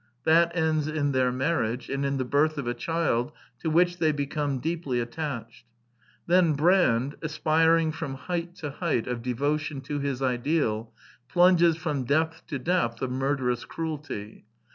That ends in their marriage, and in the birth of a child to which they become deeply attached. Then Brand, aspiring from height to height of devotion to his ideal, plunges from depth to depth of murderous cruelty.